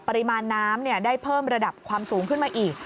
ปริมาณน้ำได้เพิ่มระดับความสูงขึ้นมาอีก